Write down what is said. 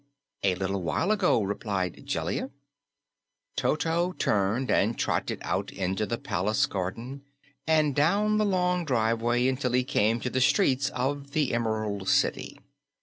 "A little while ago," replied Jellia. Toto turned and trotted out into the palace garden and down the long driveway until he came to the streets of the Emerald City.